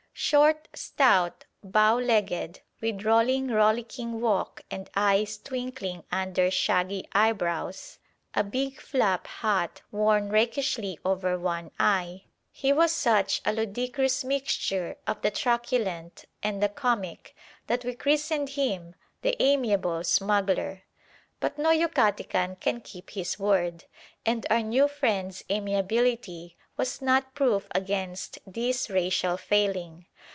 Short, stout, bow legged, with rolling rollicking walk and eyes twinkling under shaggy eyebrows, a big flap hat worn rakishly over one eye, he was such a ludicrous mixture of the truculent and the comic that we christened him "the amiable smuggler." But no Yucatecan can keep his word, and our new friend's amiability was not proof against this racial failing.